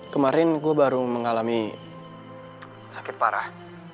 kemarin gue baru mengalami sakit parah